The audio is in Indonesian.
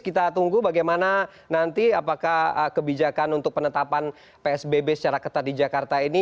kita tunggu bagaimana nanti apakah kebijakan untuk penetapan psbb secara ketat di jakarta ini